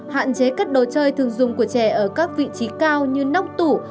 hạn chế các đồ chơi thường dùng của trẻ ở các vị trí cao như nóc tủ